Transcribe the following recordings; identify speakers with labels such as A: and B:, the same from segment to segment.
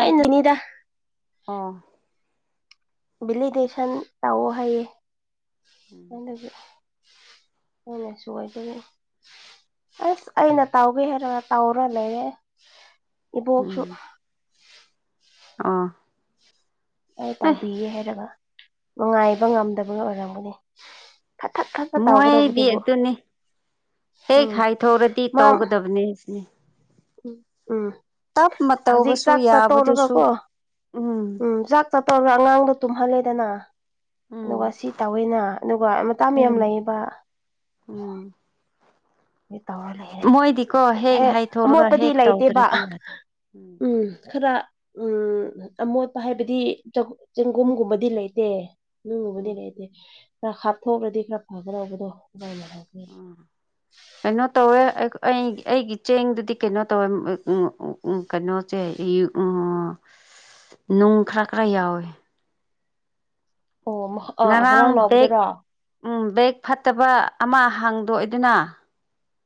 A: ꯑꯩ ꯅꯅꯤꯗ
B: ꯑꯥ
A: ꯚꯦꯂꯤꯇꯦꯁꯟ ꯇꯧꯑꯣ ꯍꯥꯏꯌꯦꯃ ꯍꯅꯁꯨꯋꯥꯏ ꯇ ꯑꯁ ꯑꯩꯅ ꯇꯧꯒꯦ ꯍꯥꯏꯔꯒ ꯇꯥꯎꯔ ꯂꯩꯔꯦ ꯏꯕꯣꯛꯁꯨ
B: ꯑꯥ
A: ꯑꯩ ꯇꯧꯕꯤꯒꯦ ꯍꯥꯏꯔꯒ ꯅꯨꯡꯉꯥꯏꯕ ꯉꯝꯗꯕꯒ ꯑꯣꯏꯔꯝꯒꯅꯤ ꯐꯠꯊꯠ ꯐꯠꯄ
B: ꯃꯣꯏꯗꯤ
A: ꯇꯧꯒꯗꯧꯕꯗꯨꯕꯨ
B: ꯑꯗꯨꯅꯤ ꯍꯦꯛ
A: ꯎꯝ
B: ꯈꯥꯏꯊꯣꯛꯔꯗꯤ
A: ꯃꯥ
B: ꯇꯧꯒꯗꯕꯅꯦ ꯁꯤꯅꯤ
A: ꯎꯝ ꯎꯝ
B: ꯇꯞꯅ
A: ꯍꯧꯖꯤꯛ
B: ꯇꯧꯕꯁꯨ
A: ꯆꯥꯛ
B: ꯌꯥꯕꯗꯨꯁꯨ
A: ꯆꯥꯠꯇꯧꯔꯒꯀꯣ ꯎꯝ ꯆꯥꯛ ꯆꯠꯇꯧꯒ ꯑꯉꯥꯡꯗꯣ ꯇꯨꯝꯍꯜꯂꯦꯗꯅ ꯑꯗꯨꯒ
B: ꯎꯝ
A: ꯁꯤ ꯇꯧꯋꯦꯅ ꯑꯗꯨꯒ ꯃꯇꯥ ꯌꯥꯝ
B: ꯎꯝ
A: ꯂꯩꯌꯦꯕ
B: ꯎꯝ
A: ꯇꯧꯔ ꯂꯩꯔꯦ
B: ꯃꯣꯏꯗꯤꯀꯣ ꯍꯦꯛ
A: ꯍꯦ
B: ꯍꯥꯏꯊꯣꯔꯒ
A: ꯑꯃꯣꯠꯇꯗꯤ
B: ꯍꯦꯛ
A: ꯂꯩꯇꯦꯕ
B: ꯇꯧꯗ꯭ꯔꯗꯤ ꯌꯥꯗꯦ
A: ꯎꯝ ꯈꯔ ꯎꯝ ꯑꯃꯣꯠꯄ ꯍꯥꯏꯕꯗꯤ ꯆꯦꯡꯒꯨꯝꯒꯨꯝꯕꯗꯤ ꯂꯩꯇꯦ ꯅꯨꯡꯒꯨꯝꯕꯗꯤ
B: ꯎꯝ
A: ꯂꯩꯇꯦ ꯈꯔ ꯍꯥꯞꯊꯣꯛꯎꯂꯗꯤ ꯈꯔ ꯐꯒꯗꯧꯕꯗꯣ
B: ꯎꯝ ꯀꯩꯅꯣ ꯇꯧꯋꯦ ꯑꯩ ꯑꯩꯒꯤ ꯆꯦꯡꯗꯨꯗꯤ ꯀꯩꯅꯣ ꯇꯧꯋꯦ ꯎ ꯎ ꯀꯩꯅꯣꯁꯦ ꯎ ꯅꯨꯡ ꯈꯔ ꯈꯔ ꯌꯥꯎꯋꯦ
A: ꯑꯣ ꯑꯥ ꯉꯔꯥꯡ ꯅꯥꯎꯕꯗꯨꯔꯣ
B: ꯎꯝ ꯕꯦꯛ ꯐꯠꯇꯕ ꯑꯃ ꯍꯥꯡꯗꯣꯛꯏ ꯑꯗꯨꯅ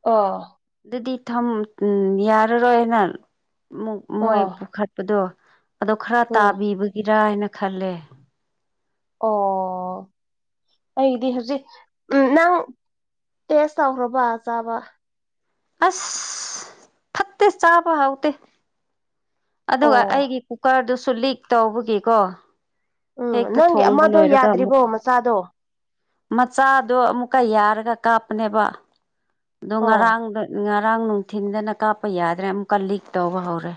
A: ꯑꯣ
B: ꯑꯗꯨꯗꯤ ꯌꯥꯔꯔꯣꯏꯅꯛ ꯃꯣꯏ
A: ꯑꯥ
B: ꯄꯨꯈꯠ ꯑꯗꯣ ꯑꯗꯣ ꯈꯔ
A: ꯎꯝ
B: ꯇꯥꯕꯤꯕꯒꯤꯔ ꯍꯥꯏꯅ ꯈꯜꯂꯦ
A: ꯑꯣ ꯑꯩꯗꯤ ꯍꯧꯖꯤꯛ ꯎ ꯅꯪ ꯇꯦꯁ ꯇꯧꯈ꯭ꯔꯕ ꯆꯥꯕ
B: ꯑꯁ ꯐꯠꯇꯦ ꯆꯥꯕ ꯍꯥꯎꯗꯦ ꯑꯗꯨꯒ
A: ꯑꯣ
B: ꯑꯩꯒꯤ ꯀꯨꯀꯔꯗꯨꯁꯨ ꯂꯤꯛ ꯇꯧꯕꯒꯤꯀꯣ
A: ꯎꯝ
B: ꯍꯦꯛꯇ
A: ꯅꯪꯒꯤ
B: ꯊꯣꯡꯕ
A: ꯑꯃꯗꯣ
B: ꯂꯣꯏꯔꯒ ꯑꯃꯨꯛ
A: ꯌꯥꯗ꯭ꯔꯤꯕꯣ ꯃꯆꯥꯗꯣ
B: ꯃꯆꯥꯗꯣ ꯑꯃꯨꯛꯀ ꯌꯥꯔꯒ ꯀꯥꯞꯄꯅꯦꯕ ꯑꯗꯣ
A: ꯑꯣ
B: ꯉꯔꯥꯡꯗ ꯉꯔꯥꯡ ꯅꯨꯡꯊꯤꯟꯗꯅ ꯀꯥꯞꯄ ꯌꯥꯗ꯭ꯔꯦ ꯑꯃꯨꯛꯀ ꯂꯤꯛ ꯇꯧꯕ ꯍꯧꯔꯦ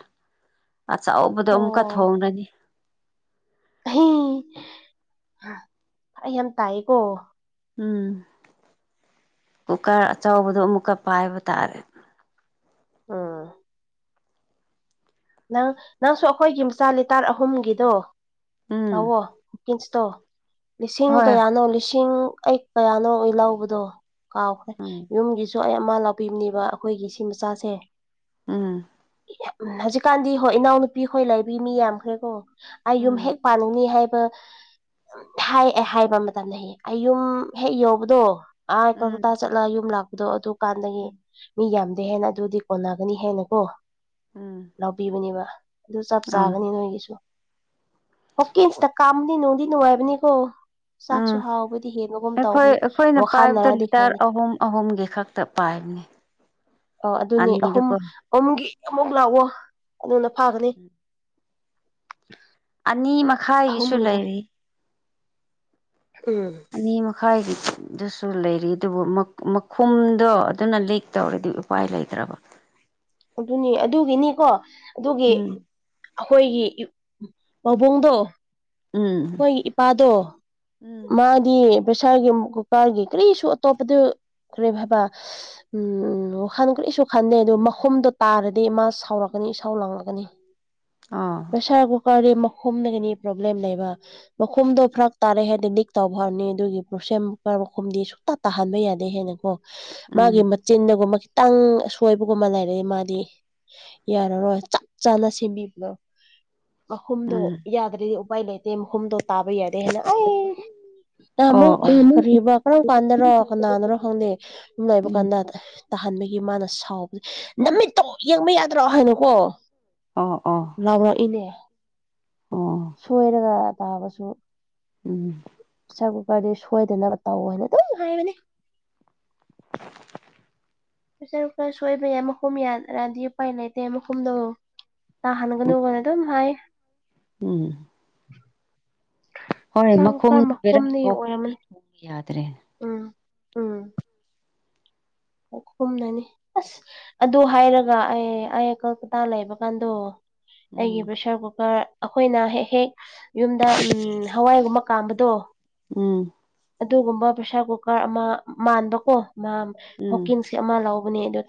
B: ꯑꯆꯕꯗꯣ ꯑꯃꯨꯛꯀ ꯊꯣꯡꯡꯂꯅꯤ
A: ꯍ ꯑꯩ ꯌꯥꯝ ꯇꯥꯏꯌꯦꯀꯣ
B: ꯎꯝ ꯀꯨꯀꯔ ꯑꯆꯕꯗꯣ ꯑꯃꯨꯛꯀ ꯄꯥꯏꯕ ꯇꯥꯔꯦ
A: ꯎꯝ ꯅꯪ ꯅꯪꯁꯨ ꯑꯩꯈꯣꯏꯒꯤ ꯃꯆꯥ ꯂꯤꯇꯔ ꯑꯍꯨꯝꯒꯤꯗꯣ
B: ꯎꯝ
A: [unintelligible] ꯂꯤꯁꯤꯡ
B: ꯍꯣꯏ
A: ꯀꯌꯥꯅꯣ ꯂꯤꯁꯤꯡ ꯀꯌꯥꯅꯣ ꯑꯩ ꯂꯧꯕꯗꯣ ꯀꯥꯎꯈ꯭ꯔꯦ
B: ꯎꯝ
A: ꯌꯨꯝꯒꯤꯁꯨ ꯑꯩ ꯑꯃ ꯂꯥꯛꯄꯤꯕꯅꯦꯕ ꯑꯩꯈꯣꯏꯒꯤ ꯁꯤ ꯃꯆꯥꯁꯦ
B: ꯎꯝ
A: ꯍꯧꯖꯤꯛꯀꯥꯟꯗꯤ ꯍꯣꯏ ꯏꯅꯥꯎꯅꯨꯄꯤ ꯍꯣꯏ ꯂꯩꯕꯤ ꯃꯤ ꯌꯥꯝꯈ꯭ꯔꯦꯀꯣ ꯑꯩ ꯌꯨꯝ
B: ꯎꯝ
A: ꯍꯦꯛ [unintelligible] ꯍꯥꯏ ꯍꯥꯏꯕ ꯃꯇꯝꯗ ꯑꯩ ꯌꯨꯝ ꯍꯦꯛ ꯌꯧꯕꯗꯣ ꯑꯥꯏ
B: ꯎꯝ
A: ꯀꯜꯀꯇꯥ ꯆꯠꯂꯒ ꯌꯨꯝ ꯂꯥꯛꯄꯗꯣ ꯑꯗꯨ ꯀꯥꯟꯗꯒꯤ
B: ꯎꯝ
A: ꯃꯤ ꯌꯥꯝꯗꯤ ꯍꯦꯟꯅ ꯑꯗꯨꯗꯤ ꯑꯣꯟꯅꯒꯅꯤ ꯍꯥꯏꯅ ꯀꯣ
B: ꯎꯝ
A: ꯂꯧꯕꯤꯕꯅꯦꯕ ꯑꯗꯨ ꯆꯞ
B: ꯑꯥ
A: ꯆꯥꯒꯅꯤ ꯅꯣꯏꯒꯤꯁꯨ ꯑꯣ ꯀꯁꯤꯗ ꯀꯥꯎꯗꯤ ꯅꯨꯡꯗꯤ ꯅꯨꯡꯉꯥꯏꯕꯅꯤ ꯀꯣ ꯆꯥꯛꯁꯨ
B: ꯑꯥ
A: ꯍꯥꯎꯕꯗꯤ ꯍꯦꯟꯕꯒꯨꯝ
B: ꯑꯩꯈꯣꯏ
A: ꯇꯧꯕꯅꯤ
B: ꯑꯩꯈꯣꯏꯅ ꯄꯥꯏꯕꯗ
A: ꯋꯥꯈꯜꯅꯔꯗꯤ
B: ꯂꯤꯇꯔ
A: ꯈꯪꯗꯦ
B: ꯑꯍꯨꯝ ꯑꯍꯨꯝꯒꯤ ꯈꯛꯇ ꯄꯥꯏꯕꯅꯤ
A: ꯑꯣ ꯑꯗꯨꯅꯤ ꯑꯍꯨꯝ
B: ꯑꯅꯤꯗꯨꯀꯣ
A: ꯑꯍꯨꯝꯒꯤ ꯑꯃꯨꯛ ꯂꯥꯛꯑꯣ ꯑꯗꯨꯅ ꯐꯥꯒꯅꯤ
B: ꯑꯅꯤ ꯃꯈꯥꯏꯒꯤꯁꯨ
A: ꯑꯍꯨꯝꯒꯤꯗ
B: ꯂꯩꯔꯤ
A: ꯎꯝ
B: ꯑꯅꯤ ꯃꯈꯥꯏꯗꯨꯁꯨ ꯂꯩꯔꯤ ꯑꯗꯨꯕꯨ ꯃꯈꯨꯝꯗꯣ ꯑꯗꯨꯅ ꯂꯤꯛ ꯇꯧꯔꯗꯤ ꯎꯄꯥꯏ ꯂꯩꯇꯔꯕ
A: ꯑꯗꯨꯅꯤ ꯑꯗꯨꯒꯤꯅꯤꯀꯣ ꯑꯗꯨꯒꯤ
B: ꯎꯝ
A: ꯑꯩꯈꯣꯏꯒꯤ ꯄꯥꯕꯨꯡꯗꯣ
B: ꯎꯝ
A: ꯍꯣꯏ ꯏꯄꯥꯗꯣ
B: ꯎꯝ
A: ꯃꯥꯗꯤ ꯄ꯭ꯔꯦꯁꯥꯔꯒꯤ ꯀꯨꯀꯔꯒꯤ ꯀꯔꯤꯁꯨ ꯑꯇꯣꯞꯄꯗꯨ ꯀꯔꯤ ꯍꯥꯏꯕ ꯎꯝ ꯋꯥꯈꯟ ꯀꯔꯤꯁꯨ ꯈꯟꯗꯦ ꯑꯗꯣ ꯃꯈꯨꯝꯗꯣ ꯇꯥꯔꯗꯤ ꯃꯥ ꯁꯥꯎꯔꯛꯀꯅꯤ ꯏꯁꯩ ꯂꯥꯡꯂꯛꯀꯅꯤ
B: ꯑ
A: ꯄꯩꯁꯥꯔ ꯀꯨꯀꯥꯗꯤ ꯃꯈꯨꯝꯅ ꯍꯦꯟꯅ ꯄ꯭ꯔꯣꯕ꯭ꯂꯦꯝ ꯂꯩꯕ ꯃꯈꯨꯝꯗꯣ ꯐꯔꯛ ꯇꯥꯔꯦ ꯍꯥꯏꯗꯤ ꯂꯤꯛ ꯇꯧꯈꯔꯅꯤ ꯑꯗꯨꯒꯤ ꯄ꯭ꯔꯣꯁꯦꯝꯔ ꯃꯈꯨꯝꯗꯤ ꯁꯨꯛꯇ ꯇꯥꯍꯟꯕ ꯌꯥꯗꯦ ꯍꯦꯟꯅ ꯀꯣ ꯃꯥꯒꯤ
B: ꯎꯝ
A: ꯃꯆꯤꯟꯗꯒꯨꯝꯕ ꯈꯤꯇꯪꯁꯣꯏꯕꯒꯨꯝꯕ ꯂꯩꯔꯗꯤ ꯃꯥꯗꯤ ꯌꯥꯔꯔꯣꯏ ꯆꯞ ꯆꯥꯅ ꯁꯦꯝꯕꯤꯕꯗꯣ ꯃꯈꯨꯝꯗꯣ
B: ꯎꯝ
A: ꯌꯥꯗ꯭ꯔꯗꯤ ꯎꯄꯥꯏ ꯂꯩꯇꯦ ꯃꯈꯨꯝꯗꯣ ꯇꯥꯕ ꯌꯥꯗꯦ ꯍꯥꯏꯌꯦꯟꯅ ꯑꯩ
B: ꯑꯣ
A: ꯅꯍꯥꯟꯃꯨꯛ
B: ꯑꯣ
A: ꯀꯔꯤꯕ ꯀꯔꯝ ꯀꯥꯟꯗꯔꯣ ꯀꯅꯥꯟꯅꯔꯣ ꯈꯪꯗꯦ ꯁꯨꯝ ꯂꯥꯏꯕ
B: ꯎꯝ
A: ꯀꯥꯟꯗ ꯇꯥꯍꯟꯕꯒꯤ ꯃꯥꯅ ꯁꯥꯎꯕ ꯅꯃꯤꯠꯇꯣ ꯌꯦꯡꯕ ꯌꯥꯗ꯭ꯔꯣ ꯍꯥꯏꯅꯀꯣ
B: ꯑꯣ ꯑꯣ
A: ꯂꯥꯎꯔꯛꯏꯅꯦ
B: ꯑꯣ
A: ꯁꯣꯏꯔꯒ ꯇꯥꯕꯁꯨ
B: ꯎꯝ
A: ꯄ꯭ꯔꯦꯁꯔ ꯀꯨꯀꯔꯗꯤ ꯁꯣꯏꯗꯅꯕ ꯇꯧ ꯍꯥꯏꯅ ꯑꯗꯨꯝ ꯍꯥꯏꯕꯅꯤ
B: [unintelligible]
A: ꯄ꯭ꯔꯦꯁꯔ ꯀꯨꯀꯔ ꯁꯣꯏꯕ ꯌꯥꯏ ꯃꯈꯨꯝ ꯌꯥ ꯌꯥꯗꯤ ꯎꯄꯥꯏ ꯂꯩꯇꯦ ꯃꯈꯨꯝꯗꫭ ꯇꯥ ꯍꯟꯒꯅꯨꯒꯅ ꯑꯗꯨꯝ ꯍꯥꯏ
B: ꯎꯝ ꯍꯣꯏ
A: ꯆꯥꯛ ꯂꯨꯄꯥ
B: ꯃꯈꯨꯝꯗꯨ ꯕꯦꯔꯥ
A: ꯃꯈꯨꯝꯗꯤ
B: ꯊꯣꯛꯈ꯭ꯔꯗꯤ
A: ꯑꯣꯏꯔꯝꯃꯅꯤ
B: ꯊꫭꯕ ꯌꯥꯗ꯭ꯔꯦ
A: ꯎꯝ ꯎꯝ ꯃꯥꯈꯨꯝꯅꯅꯤ ꯑꯁ ꯑꯗꯨ ꯍꯥꯏꯔꯒ ꯑꯩ ꯑꯩ ꯀꯜꯀꯇꯥ ꯂꯩꯕꯀꯥꯟꯗꯣ
B: ꯎꯝ
A: ꯑꯩꯒꯤ ꯄ꯭ꯔꯦꯁꯔ ꯀꯨꯀꯔ ꯑꯩꯈꯣꯏꯅ ꯍꯦꯛ ꯍꯦꯛ ꯌꯨꯝꯗ ꯍꯋꯥꯏꯒꯨꯝꯕ ꯀꯥꯝꯕꯗꯣ
B: ꯎꯝ
A: ꯑꯗꯨꯒꯨꯝꯕ ꯄ꯭ꯔꯦꯁꯥꯔ ꯀꯨꯀꯔ ꯑꯃ ꯃꯥꯟꯕꯀꯣ ꯃꯥ
B: ꯎꯝ
A: ꯍꯣꯀꯤꯟꯁ ꯑꯃ ꯂꯧꯕꯅꯦ ꯑꯗꯣ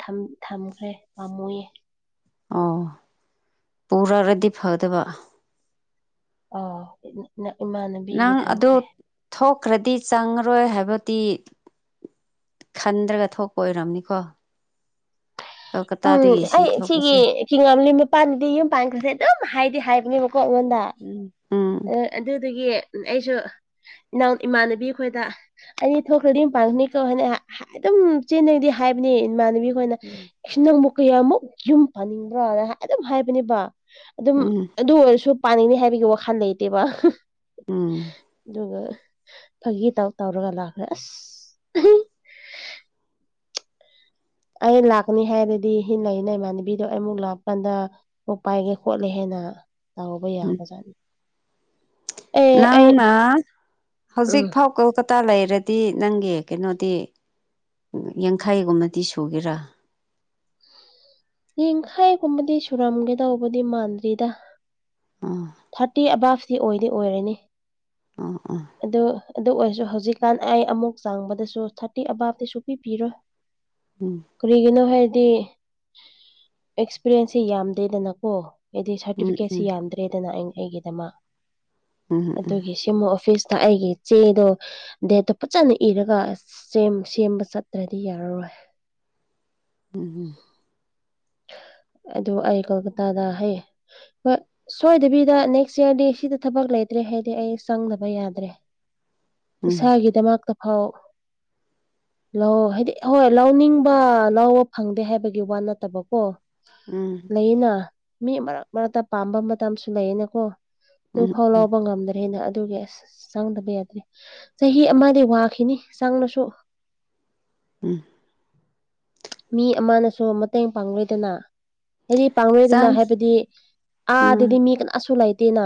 A: ꯊꯝꯈ꯭ꯔꯦ ꯄꯥꯝꯃꯨꯌꯦ
B: ꯑꯣ ꯄꯨꯔꯛꯑꯗꯤ ꯐꯒꯗꯕ
A: ꯑꯥꯎ ꯏꯃꯥꯟꯅꯕꯤꯒꯤ
B: ꯅꯪ ꯑꯗꯨ
A: ꯊꯝꯈ꯭ꯔꯦ
B: ꯊꯣꯛꯈ꯭ꯔꯗꯤ ꯆꯪꯉꯔꯣꯏ ꯍꯥꯏꯕꯗꯤ ꯈꯟꯗ꯭ꯔꯒ ꯊꯣꯛꯄ ꯑꯣꯏꯔꯝꯅꯤꯀꯣ
A: ꯎꯝ
B: ꯀꯜꯀꯇꯥꯗꯒꯤ ꯁꯤ
A: ꯑꯩ ꯁꯤꯒꯤ
B: ꯊꯣꯛꯄꯁꯦ
A: ꯆꯤꯉꯝꯂꯤ ꯃꯄꯥꯅꯗꯤ ꯌꯨꯝ ꯄꯥꯟꯈ꯭ꯔꯁꯦ ꯑꯗꯨꯝ ꯍꯥꯏꯗꯤ ꯍꯥꯏꯕꯅꯦꯕꯀꯣ ꯑꯩꯉꯣꯟꯗ
B: ꯎꯝ ꯎꯝ
A: ꯑꯗꯨꯗꯒꯤ ꯑꯩꯁꯨ ꯏꯅꯥꯎ ꯏꯃꯥꯟꯅꯕꯤ ꯈꯣꯏꯗ ꯑꯩꯒꯤ ꯊꯣꯛꯈ꯭ꯔꯗꯤ ꯌꯨꯝ ꯄꯥꯡꯒꯅꯤ ꯀꫭ ꯍꯥꯏꯅ ꯑꯗꯨꯝ ꯆꯤꯟꯗꯗꯤ ꯍꯥꯏꯕꯅꯦ ꯏꯃꯥꯟꯅꯕꯤ ꯃꫭꯏꯅ ꯅꯪꯕꯨ ꯀꯌꯥꯃꯨꯛ ꯌꯨꯝ ꯄꯥꯅꯤꯡꯕ꯭ꯔꯣꯅ ꯑꯗꯨꯝ ꯍꯥꯏꯕꯅꯦꯕ ꯑꯗꯨꯝ
B: ꯎꯝ
A: ꯑꯗꯨ ꯑꯣꯏꯔꯁꯨ ꯄꯥꯅꯤꯡꯅꯤ ꯍꯥꯏꯕꯒꯤ ꯋꯥꯈꯜ ꯂꯩꯇꯦꯕ
B: ꯎꯝ
A: ꯑꯗꯨꯒ ꯐꯥꯒꯤ ꯇꯧ ꯇꯧꯔꯒ ꯂꯥꯛꯈ꯭ꯔꯦ ꯑꯁ ꯑꯩ ꯂꯥꯛꯀꯅꯤ ꯍꯥꯏꯔꯗꯤ ꯍꯟꯅ ꯂꯩꯩꯅ ꯏꯃꯥꯟꯅꯕꯤꯗꯣ ꯑꯩ ꯑꯃꯨꯛ ꯂꯥꯛꯀꯥꯟꯗ ꯀꫭꯛ ꯄꯥꯏꯒꯦ ꯈꯣꯠꯂꯦ ꯍꯥꯏꯅ ꯇꯥꯎꯕ
B: ꯎꯝ
A: ꯌꯥꯕꯖꯥꯠꯅꯤ ꯑꯦ ꯑꯩ
B: ꯅꯪꯅ ꯍꯧꯖꯤꯛ
A: ꯎꯝ
B: ꯐꯥꯎ ꯀꯣꯜꯀꯇꯥ ꯂꯩꯔꯗꯤ ꯅꯪꯒꯤ ꯀꯩꯅꯣꯗꯤ ꯌꯥꯡꯈꯩꯒꯨꯝꯕꯗꯤ ꯁꯨꯒꯦꯔꯥ
A: ꯌꯦꯡꯈꯥꯏꯒꯨꯝꯕꯗꯤ ꯁꯨꯔꯝꯒꯦ ꯇꯧꯕꯗꯤ ꯃꯥꯟꯗ꯭ꯔꯤꯗ
B: ꯑꯥ
A: ꯊꯥꯔꯇꯤ ꯑꯕꯥꯞꯇꯤ ꯑꯣꯏꯗꯤ ꯑꯣꯏꯔꯅꯤ
B: ꯑꯥ ꯑꯥ
A: ꯑꯗꯨ ꯑꯗꯨ ꯑꯣꯏꯔꯁꯨ ꯍꯧꯖꯤꯛꯀꯥꯟ ꯑꯩ ꯑꯃꯨꯛ ꯆꯥꯡꯕꯗꯁꯨ ꯊꯥꯔꯇꯤ ꯑꯕꯥꯞꯇꯤ ꯁꯨꯄꯤ ꯄꯤꯔꯣꯏ [unintelligible]
B: ꯎꯝ
A: ꯀꯔꯤꯒꯤꯅꯣ ꯍꯥꯏꯔꯗꯤ ꯑꯦꯛꯁꯄꯤꯔꯦꯟꯁꯁꯦ ꯌꯥꯝꯗꯦꯗꯅꯀꯣ ꯍꯥꯏꯗꯤ
B: ꯎꯝ ꯎꯝ
A: ꯁꯥꯔꯇꯤꯐꯤꯀꯦꯠꯁꯤ ꯌꯥꯝꯗ꯭ꯔꯦꯗꯅ ꯑꯩ ꯑꯩꯒꯤꯗꯃꯛ
B: ꯎꯝ
A: ꯑꯗꯨꯒꯤ ꯑꯦꯝꯃꫭ ꯑꯣꯐꯤꯁꯇ ꯑꯩꯒꯤ ꯆꯦꯗꯣ ꯗꯦꯠꯇꯣ ꯐꯖꯅ ꯏꯔꯒ ꯁꯦꯝ ꯁꯦꯝꯕ ꯆꯠꯇ꯭ꯔꯗꯤ ꯌꯥꯔꯔꯣꯏ
B: ꯎꯝ ꯎꯝ
A: ꯑꯗꯨ ꯑꯩ ꯀꯜꯀꯇꯥꯗ ꯍꯩꯌꯦ ꯍꫭꯏ ꯁꯣꯏꯗꯕꯤꯗ ꯅꯦꯛꯁ ꯏꯌꯥꯔꯗꯤ ꯁꯤꯗ ꯊꯕꯛ ꯂꯩꯇ꯭ꯔꯦ ꯍꯥꯏꯗꯤ ꯑꯩ ꯆꯪꯗꯕ ꯌꯥꯗ꯭ꯔꯦ
B: ꯎꯝ
A: ꯏꯁꯥꯒꯤꯗꯃꯛꯇ ꯐꯥꯎ ꯂꯧ ꯍꯥꯏꯗꯤ ꯍꯣꯏ ꯂꯧꯅꯤꯡꯕ ꯂꯧꯕ ꯐꯪꯗꯦ ꯍꯥꯏꯕꯒꯤ ꯋꯥ ꯅꯠꯇꯕꯀꯣ ꯀꫭ
B: ꯎꯝ
A: ꯂꯩꯌꯦꯅ ꯃꯤ ꯃꯔꯛ ꯃꯔꯛꯇ ꯄꯥꯝꯕ ꯃꯇꯝꯁꯨ ꯂꯩꯌꯦꯅꯀꯣ
B: ꯎꯝ
A: ꯑꯗꯨ
B: ꯎꯝ
A: ꯐꯥꯎ
B: ꯎꯝ
A: ꯂꯥꯎꯕ ꯉꯝꯗ꯭ꯔꯦꯅ ꯑꯗꯨꯒꯤ ꯑꯁ ꯆꯪꯗꯕ ꯌꯥꯗ꯭ꯔꯦ ꯆꯍꯤ ꯑꯃꯗꯤ ꯋꯥꯈꯤꯅꯤ ꯆꯪꯂꯁꯨ
B: ꯎꯝ
A: ꯃꯤ ꯑꯃꯅꯁꯨ ꯃꯇꯦꯡ ꯄꯥꯡꯂꯣꯏꯗꯅ ꯍꯥꯏꯗꯤ ꯄꯥꯡꯂꯣꯏꯗꯨꯅ
B: ꯆꯪ
A: ꯍꯥꯏꯕꯗꯤ ꯑꯥꯗꯗꯤ
B: ꯎꯝ
A: ꯃꯤ ꯀꯅꯥꯁꯨ ꯂꯩꯇꯦꯅ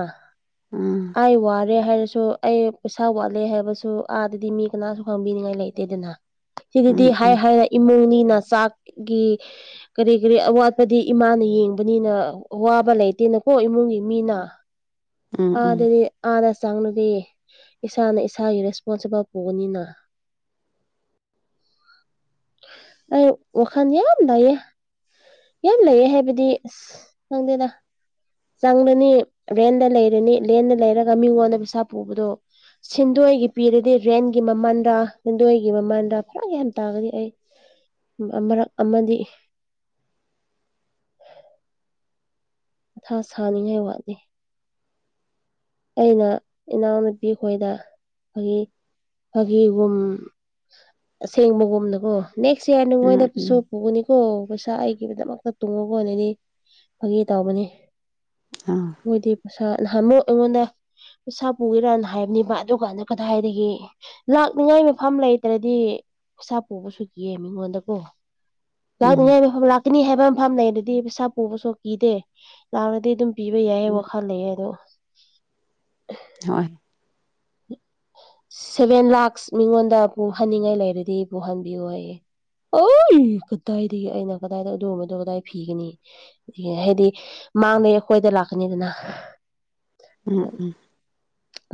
B: ꯎꯝ
A: ꯑꯩ ꯋꯥꯔꯦ ꯍꯥꯏꯔꯁꯨ ꯑꯩ ꯄꯩꯁꯥ ꯋꯥꯠꯂꯦ ꯍꯥꯏꯕꯁꯨ ꯑꯥꯗꯗꯤ ꯃꯤ ꯀꯅꯥꯁꯨ ꯈꯪꯕꯤꯅꯤꯉꯥꯏ ꯂꯩꯇꯦꯗꯅ ꯁꯤꯗꯨꯗꯤ
B: ꯎꯝ
A: ꯍꯥꯏ ꯍꯥꯏꯔ ꯏꯃꯨꯡꯅꯤꯅ ꯆꯥꯛꯒꯤ ꯀꯔꯤ ꯀꯔꯤ ꯑꯋꯥꯠꯄꯗꯤ ꯏꯃꯥꯅ ꯌꯦꯡꯕꯅꯤꯅ ꯑꯋꯥꯕ ꯂꯩꯇꯦꯅꯀꯣ ꯏꯃꯨꯡꯒꯤ ꯃꯤꯅ
B: ꯎꯝ ꯎꯝ ꯎꯝ
A: ꯑꯗꯗꯤ ꯑꯥꯗ ꯆꯪꯂꯗꯤ ꯏꯁꯥꯅ ꯏꯁꯥꯒꯤ ꯔꯦꯁꯄꯣꯟꯁꯤꯕꯜ ꯄꯨꯒꯅꯤꯅ ꯑꯩ ꯋꯥꯈꯟ ꯂꯩꯥꯌꯦ ꯌꯥꯝ ꯂꯩꯌꯦ ꯍꯥꯏꯕꯗꯤ ꯑꯁ ꯈꯪꯗꯦꯗ ꯆꯪꯂꯅꯤ ꯔꯦꯟꯗ ꯂꯩꯔꯅꯤ ꯂꯦꯟꯗ ꯂꯩꯔꯒ ꯃꯤꯉꯣꯟꯗ ꯄꯩꯁꯥ ꯄꯨꯕꯗꯣ ꯁꯤꯟꯗꯣꯏꯒꯤ ꯄꯤꯔꯗꯤ ꯔꯦꯟꯒꯤ ꯃꯃꯜꯗ ꯁꯤꯗꯣꯏꯒꯤ ꯃꯃꯜꯗ ꯄꯨꯔꯥ ꯌꯥꯝ ꯇꯥꯔꯒꯗꯤ ꯑꯩ ꯃꯔꯛ ꯑꯃꯗꯤ ꯃꯊꯥ ꯁꯥꯅꯤꯡꯉꯥꯏ ꯋꯥꯠꯂꯤ ꯑꯩꯅ ꯏꯅꯥꯎꯅꯨꯄꯤ ꯈꯣꯏꯗ ꯐꯥꯒꯤ ꯐꯥꯒꯤꯒꯨꯝ ꯑꯁꯦꯡꯕꯒꯨꯝꯅꯀꯣ ꯅꯦꯛꯁ ꯏꯌꯥꯔ
B: ꯎꯝ
A: ꯅꯉꯣꯏꯗꯁꯨ
B: ꯎꯝ
A: ꯄꯨꯒꯅꯤꯀꯣ ꯄꯩꯁꯥ ꯑꯩꯒꯤꯗꯃꯛꯇ ꯇꯨꯡꯉꯒ ꯑꯣꯏꯅꯗꯤ ꯐꯥꯒꯤ ꯇꯧꯕꯅꯤ
B: ꯑꯥ
A: ꯃꯣꯏꯗꯤ ꯄꯩꯁꯥ ꯅꯍꯝꯃꯣ ꯑꯩꯉꯣꯟꯗ ꯄꯩꯁꯥ ꯄꯨꯒꯦꯔꯅ ꯍꯥꯏꯕꯅꯦꯕ ꯑꯗꯨꯀꯥꯟꯗ ꯀꯗꯥꯏꯗꯒꯤ ꯂꯥꯛꯅꯤꯉꯥꯏ ꯃꯐꯝ ꯂꯩꯇ꯭ꯔꯗꯤ ꯏꯁꯩꯥ ꯄꯨꯕꯁꯨ ꯀꯌꯦ ꯃꯤꯉꯣꯟꯗꯀꯣ
B: ꯎꯝ
A: ꯂꯥꯛꯅꯤꯡꯉꯥꯏ ꯃꯐꯝ ꯂꯥꯛꯀꯅꯤ ꯍꯥꯏꯕ ꯃꯐꯝ ꯂꯩ ꯑꯗꯨꯗꯤ ꯄꯩꯁꯥ ꯄꯨꯕꯁꯨ ꯀꯤꯗꯦ ꯂꯥꯛꯂꯗꯤ ꯑꯗꯨꯝ ꯄꯤꯕ ꯌꯥꯏꯌꯦ
B: ꯎꯝ
A: ꯋꯥꯈꯜ ꯂꯩꯌꯦ ꯑꯗꯣ
B: ꯍꯣꯏ
A: ꯁꯚꯦꯟ ꯂꯥꯛꯁ ꯃꯤꯉꯣꯟꯗ ꯄꯨꯍꯟꯅꯤꯡꯉꯥꯏ ꯂꯩꯔꯗꯤ ꯄꯨꯍꯟꯕꯤꯌꯨ ꯑꯩꯌꯦ ꯑꯩ ꯀꯗꯥꯏꯗꯒꯤ ꯑꯩꯅ ꯀꯗꯥꯏꯗ ꯑꯗꯨꯒꯕꯗꯣ ꯀꯗꯥꯏ ꯐꯤꯒꯅꯤ ꯍꯥꯏꯗꯤ ꯃꯥꯡꯗꯩ ꯑꯩꯈꯣꯏꯗ ꯂꯥꯛꯀꯅꯤꯗꯅ
B: ꯎꯝ ꯎꯝ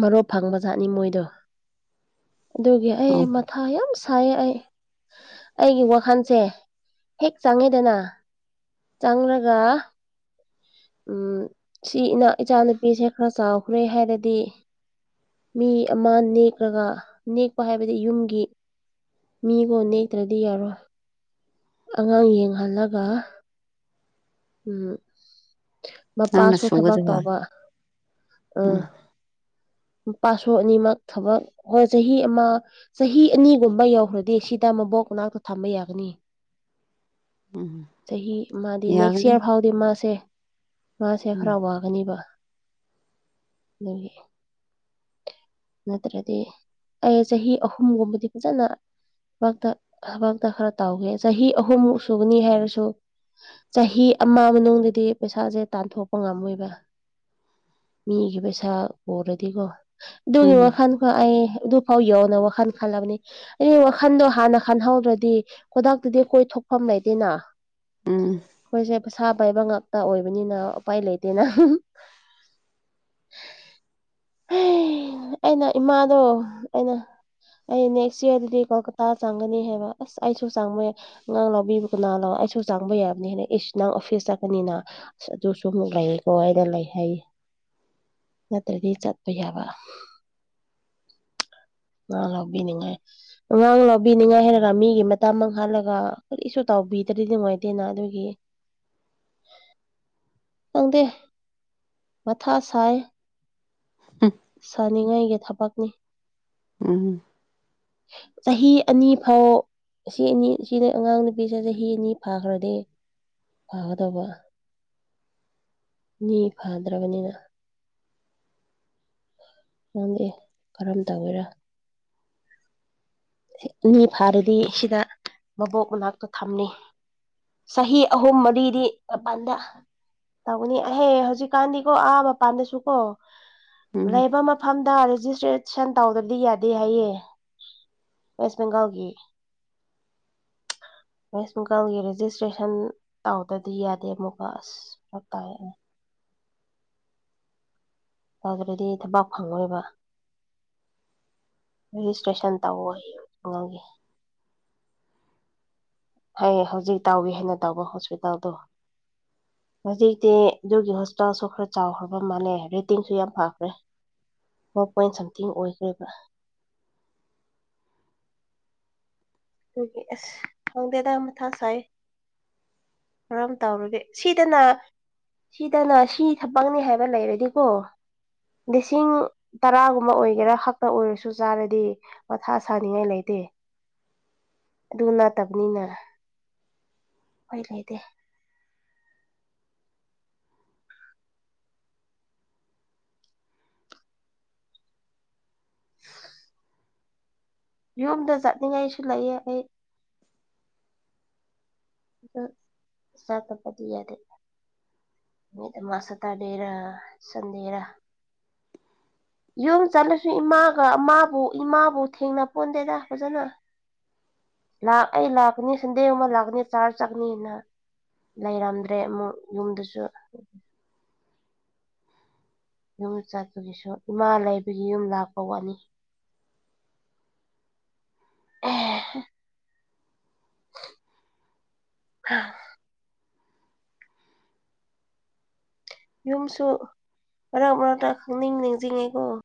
A: ꯃꯔꯨꯞ ꯐꯪꯕꯖꯥꯠꯅꯤ ꯃꯣꯏꯗꯣ ꯑꯗꯨꯒꯤ
B: ꯑꯧ
A: ꯑꯩ ꯃꯊꯥ ꯌꯥꯝ ꯁꯥꯏꯌꯦ ꯑꯩ ꯑꯩꯒꯤ ꯋꯥꯈꯜꯁꯦ ꯍꯦꯛ ꯆꯪꯉꯤꯗꯅ ꯆꯪꯉꯒ ꯎꯝ ꯁꯤ ꯏꯅꯥ ꯏꯆꯥꯅꯨꯄꯤꯁꯦ ꯈꯔ ꯆꯥꯎꯈ꯭ꯔꯦ ꯍꯥꯏꯔꯗꯤ ꯃꯤ ꯑꯃ ꯅꯦꯛꯂꯒ ꯅꯦꯛꯄ ꯍꯥꯏꯕꯗꯤ ꯌꯨꯝꯒꯤ ꯃꯤꯒꯣꯟ ꯅꯦꯛꯇ꯭ꯔꯗꯤ ꯌꯥꯔꯣꯏ ꯑꯉꯥꯡ ꯌꯦꯡꯍꯜꯂꯒ ꯎꯝ
B: ꯅꯪꯅ
A: ꯃꯄꯥꯁꯨ ꯊꯕꯛ
B: ꯁꯨꯒꯗꯕ
A: ꯇꯧꯕ ꯑꯥ ꯄꯥꯁꯨꯣ ꯑꯅꯤꯃꯛ ꯊꯕꯛ ꯍꯣꯏ ꯆꯍꯤ ꯑꯃ ꯆꯍꯤ ꯑꯅꯤꯒꯨꯝꯕ ꯌꯧꯈ꯭ꯔꯗꯤ ꯁꯤꯗ ꯃꯕꯣꯛ ꯃꯅꯥꯛꯇ ꯊꯝꯕ ꯌꯥꯒꯅꯤ
B: ꯎꯝ
A: ꯆꯍꯤ ꯃꯥꯗꯤ ꯅꯦꯛꯁ
B: ꯌꯥꯒꯅꯤ
A: ꯏꯌꯥꯔ ꯐꯥꯎꯗꯤ ꯃꯥꯁꯦ ꯃꯥꯁꯦ
B: ꯎꯝ
A: ꯍꯔꯥꯎꯕ ꯑꯅꯤꯕ ꯑꯗꯨꯒꯤ ꯅꯠꯇ꯭ꯔꯗꯤ ꯑꯩ ꯆꯍꯤ ꯑꯍꯨꯝꯒꯨꯝꯕꯗꯤ ꯐꯖꯅ ꯊꯕꯛ ꯊꯕꯛꯇ ꯈꯔ ꯇꯧꯒꯦ ꯆꯍꯤ ꯑꯍꯨꯝꯃꯨꯛ ꯁꯨꯒꯅꯤ ꯍꯥꯏꯔꯁꯨ ꯆꯍꯤ ꯑꯃ ꯃꯅꯨꯡꯗꯗꯤ ꯄꯩꯁꯥꯁꯦ ꯇꯥꯟꯊꯣꯛꯄ ꯉꯝꯃꯣꯏꯕ ꯃꯤꯒꯤ ꯄꯩꯁꯥ ꯎꯔꯗꯤꯀꯣ ꯑꯗꯨꯒꯤ
B: ꯎꯝ
A: ꯋꯥꯥꯟ ꯍ ꯑꯩ ꯑꯗꯨꯐꯥꯎ ꯌꯧꯅ ꯋꯥꯈꯜ ꯈꯜꯂꯕꯅꯤ ꯑꯩ ꯋꯥꯈꯟꯗꯣ ꯍꯥꯟꯅ ꯈꯟꯍꯧꯗ꯭ꯔꯗꯤ ꯈꯨꯗꯛꯇꯗꯤ ꯀꯣꯏꯊꯣꯛꯐꯝ ꯂꯩꯇꯦꯅ
B: ꯎꯝ
A: ꯑꯩꯈꯣꯏꯁꯦ ꯄꯩꯁꯥ ꯄꯥꯏꯕ ꯉꯥꯛꯇ ꯑꯣꯏꯕꯅꯤꯅ ꯎꯄꯥꯏ ꯂꯩꯇꯦꯅ ꯑꯩꯅ ꯏꯃꯥꯗꯣ ꯑꯩꯅ ꯑꯩ ꯅꯦꯛꯁ ꯌꯌꯥꯔꯗꯗꯤ ꯀꯣꯜꯀꯇꯥꯗ ꯆꯪꯒꯅꯤ ꯍꯥꯏꯕ ꯑꯁ ꯑꯩꯁꯨ ꯆꯪꯕꯏ ꯉꯉꯥꯡ ꯂꯧꯕꯕꯤꯕꯀꯣ ꯅꯍ ꯂꯥꯛꯑꯣ ꯑꯩꯁꯨ ꯆꯥꯡꯕ ꯌꯥꯕꯅꯤꯅ ꯑꯦ ꯅꯪ ꯑꯣꯐꯤꯁ ꯆꯠꯀꯅꯤꯅ ꯑ ꯑꯗꯨꯁꯨ ꯑꯃꯨꯛ ꯂꯩꯀꯣ ꯍꯥꯏꯅ ꯂꯩ ꯍꯥꯏꯌꯦ ꯅꯠꯇ꯭ꯔꯗꯤ ꯆꯠꯄ ꯌꯥꯕ ꯉꯥ ꯂꯧꯕꯤꯅꯤꯡꯉꯥꯏ ꯑꯉꯥꯡ ꯂꯧꯕꯤꯅꯤꯉꯥꯏ ꯍꯥꯏꯔꯒ ꯃꯤꯒꯤ ꯃꯇꯝ ꯃꯥꯡꯍꯜꯂꯒ ꯀꯔꯤꯁꯨ ꯇꯧꯕꯤꯗ꯭ꯔꯗꯤ ꯅꯨꯡꯉꯥꯏꯇꯦꯅ ꯑꯗꯨꯒꯤ ꯈꯪꯗꯦ ꯃꯊꯥ ꯁꯥꯏꯌꯦ
B: ꯍꯨꯝ
A: ꯁꯥꯅꯤꯡꯉꯥꯏꯒꯤ ꯊꯕꯛꯅꯤ
B: ꯎꯝ
A: ꯆꯍꯤ ꯑꯅꯤ ꯐꯥꯎ ꯁꯤ ꯑꯅꯤ ꯁꯤꯅꯤ ꯑꯉꯥꯡ ꯅꯨꯄꯤꯁꯦ ꯆꯍꯤ ꯑꯅꯤ ꯐꯥꯈ꯭ꯔꯗꯤ ꯐꯥꯒꯗꯧꯕ ꯃꯤ ꯐꯥꯗ꯭ꯔꯕꯅꯤꯅ ꯈꯪꯗꯦ ꯀꯔꯝ ꯇꯧꯋꯦꯔ ꯃꯤ ꯐꯥꯔꯗꯤ ꯁꯤꯗ ꯃꯕꯣꯛ ꯃꯅꯥꯛꯇ ꯊꯝꯅꯤ ꯆꯍꯤ ꯑꯍꯨꯝ ꯃꯔꯤꯗꯤ ꯃꯄꯥꯟꯗ ꯇꯧꯒꯅꯤ ꯑꯍꯦ ꯍꯧꯖꯤꯛ ꯀꯥꯟꯗꯤꯀꯣ ꯑꯥ ꯃꯄꯥꯟꯗꯁꯨ ꯀꯣ
B: ꯎꯝ
A: ꯂꯩꯕ ꯃꯐꯝꯗ ꯔꯦꯖꯤꯁꯇ꯭ꯔꯦꯁꯟ ꯇꯧꯗꯕꯗꯤ ꯌꯥꯗꯦ ꯍꯥꯏꯌꯦ ꯋꯦꯁ ꯕꯦꯡꯒꯜꯒꯤ ꯋꯦꯁ ꯕꯦꯡꯒꯜꯒꯤ ꯔꯦꯖꯤꯁꯇ꯭ꯔꯦꯁꯟ ꯇꯧꯗꯗꯤ ꯌꯥꯗꯦ ꯑꯃꯨꯛꯀ ꯑꯁ ꯢꯁ ꯐꯔꯛ ꯇꯥꯏꯌꯦ ꯇꯧꯗ꯭ꯔꯗꯤ ꯊꯕꯛ ꯐꯪꯉꯣꯏꯕ ꯔꯦꯖꯤꯁꯇ꯭ꯔꯦꯁꯟ ꯇꯧꯋꯣ ꯍꯥꯢꯌꯣ ꯑꯉꯥꯡꯒꯤ ꯍꯌꯦ ꯍꯧꯖꯤꯛ ꯇꯥꯎꯏ ꯍꯥꯏꯅ ꯇꯧꯕ ꯍꯣꯁꯄꯤꯇꯥꯜꯗꯣ ꯍꯧꯖꯤꯛꯇꯤ ꯑꯗꯨꯒꯤ ꯍꯣꯁꯄꯤꯇꯥꯜꯁꯨ ꯈꯔ ꯆꯥꯎꯈ꯭ꯔꯕ ꯃꯥꯜꯂꯦ ꯔꯦꯇꯤꯡꯁꯨ ꯌꯥꯝ ꯐꯈ꯭ꯔꯦ ꯐꯣꯔ ꯄꯣꯏꯟ ꯁꯝꯊꯤꯡ ꯑꯣꯏꯈ꯭ꯔꯦꯕ ꯑꯗꯨꯒꯤ ꯑꯁ ꯈꯪꯗꯦꯗ ꯃꯊꯥ ꯁꯥꯏꯌꯦ ꯀꯔꯝ ꯇꯧꯔꯒꯦ ꯁꯤꯗꯅ ꯁꯤꯗꯅ ꯁꯤ ꯊꯕꯛꯅꯤ ꯍꯥꯏꯕ ꯂꯩꯔꯗꯤꯀꯣ ꯂꯤꯁꯤꯡ ꯇꯔꯥꯒꯨꯝꯕ ꯑꯣꯏꯒꯦꯔꯥ ꯍꯛꯇ ꯑꯣꯏꯔꯁꯨ ꯆꯥꯔꯗꯤ ꯃꯊꯥ ꯁꯥꯅꯤꯡꯉꯥꯏ ꯂꯩꯇꯦ ꯑꯗꯨ ꯅꯠꯇꯕꯅꯤꯅ ꯎꯄꯥꯢ ꯂꯩꯇꯦ [unintelligible] ꯌꯨꯝꯗ ꯆꯠꯅꯤꯡꯉꯥꯏꯁꯨ ꯂꯩꯌꯦ ꯑꯩ ꯑ ꯆꯠꯇꯕꯗꯤ ꯌꯥꯗꯦ ꯅꯨꯃꯤꯠ ꯑꯃ ꯁꯥꯇ꯭ꯔꯗꯦꯔ ꯁꯟꯗꯦꯔ ꯌꯨꯝ ꯆꯠꯂꯁꯨ ꯏꯃꯥꯒ ꯃꯥꯕꯨ ꯏꯃꯥꯕꯨ ꯊꯦꯡꯅ ꯄꯣꯟꯗꯦꯗ ꯐꯖꯅ ꯂꯥꯛꯑꯦ ꯂꯥꯛꯀꯅꯤ ꯁꯟꯗꯦ ꯒꯨꯝꯕ ꯂꯥꯛꯀꯅꯤ ꯆꯥꯔꯆ ꯆꯠꯀꯅꯤꯅ ꯂꯩꯔꯝꯗ꯭ꯔꯦ ꯑꯃꯨꯛ ꯌꯨꯝꯗꯁꯨ ꯌꯨꯝ ꯆꯠꯄꯗꯨꯁꯨ ꯏꯃꯥ ꯂꯩꯕꯒꯤ ꯌꯨꯝ ꯂꯥꯛꯄ ꯋꯥꯅꯤ ꯑꯦꯍꯦ ꯑꯥ ꯌꯨꯝꯁꯨ ꯃꯔꯛ ꯃꯔꯛꯇ ꯈꯪꯅꯤꯡ ꯅꯤꯡꯖꯤꯡꯉꯦꯀꯣ